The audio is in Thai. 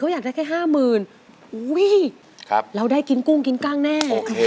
๔๐๐๐๐เขาอยากได้แค่๕๐๐๐๐บาทอุ๊ยเราได้กินกุ้งกินกางแน่